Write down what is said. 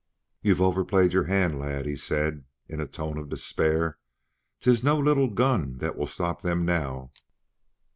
"You've overplayed your hand, lad," he said in a tone of despair. "'Tis no little gun like that will stop them now!"